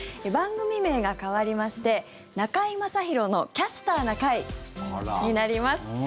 番組名が変わりまして「中居正広のキャスターな会」になります。